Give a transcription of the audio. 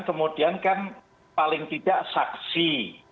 kemudian kan paling tidak saksi